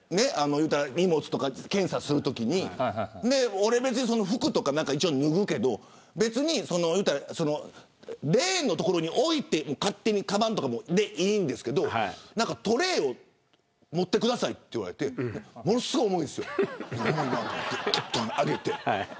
荷物検査のときに服とか一応、脱ぐけどレーンの所に置いて、勝手にかばんとかでいいんですけどトレーを持ってくださいと言われてものすごく重いんです。